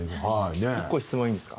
１個質問いいですか？